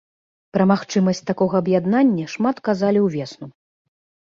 Пра магчымасць такога аб'яднання шмат казалі ўвесну.